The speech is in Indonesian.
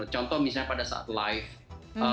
contoh misalnya pada saat live